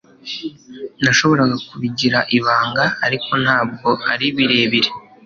Nashoboraga kubigira ibanga, ariko ntabwo ari birebire.